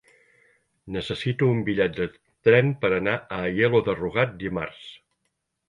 Necessito un bitllet de tren per anar a Aielo de Rugat dimarts.